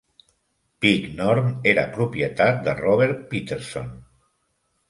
Big Norm era propietat de Robert Peterson.